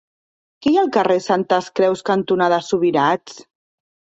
Què hi ha al carrer Santes Creus cantonada Subirats?